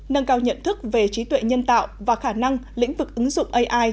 nâng cao nhận thức về trí tuệ nhân tạo và khả năng lĩnh vực ứng dụng ai